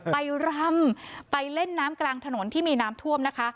รำไปเล่นน้ำกลางถนนที่มีน้ำท่วมนะคะ